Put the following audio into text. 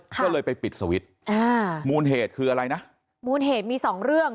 ก็เลยไปปิดสวิตช์อ่ามูลเหตุคืออะไรนะมูลเหตุมีสองเรื่อง